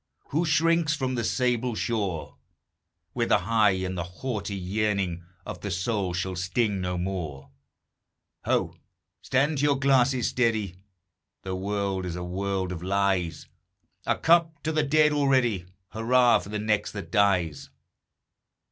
Who shrinks from the sable shore, Where the high and haughty yearning Of the soul shall sting no more! Ho! stand to your glasses, steady! The world is a world of lies; A cup to the dead already Hurrah for the next that dies!